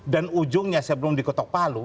dan ujungnya sebelum dikotok palu